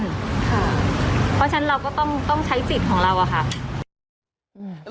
เพราะฉะนั้นเราก็ต้องใช้สิทธิ์ของเราอะค่ะ